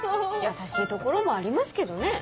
優しいところもありますけどね。